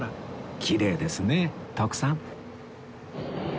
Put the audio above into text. きれいですね徳さん